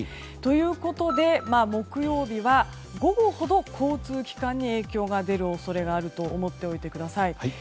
ということで、木曜日は午後ほど交通機関に影響が出る恐れがあると思ってください。